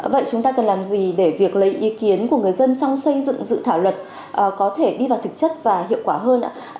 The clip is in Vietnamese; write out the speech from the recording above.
vậy chúng ta cần làm gì để việc lấy ý kiến của người dân trong xây dựng dự thảo luật có thể đi vào thực chất và hiệu quả hơn ạ